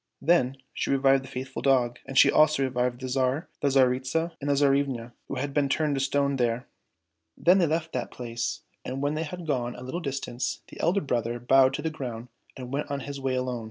Then she revived the faithful dog, and she also revived the Tsar and the Tsaritsa and the Tsarivna, who had been turned to stone there. Then they left that place and when they had gone a little distance, the elder brother bowed to the ground and went on his way alone.